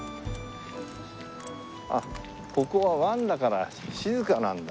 あっここは湾だから静かなんだ。